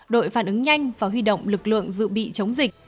đội phản ứng nhanh và huy động lực lượng dự bị chống dịch